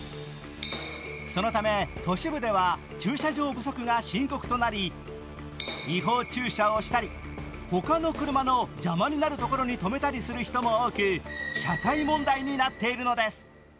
そのため、都市部では駐車場不足が深刻となり違法駐車をしたり他の車の邪魔になる所に止めたりする人も多く社会問題になっているのです。